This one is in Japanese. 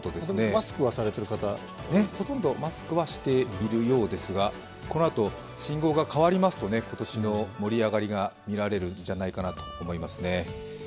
マスクはされてる方ほとんどマスクはされているようですが、このあと信号が変わりますと今年の盛り上がりが見られるんじゃないかなと思いますね。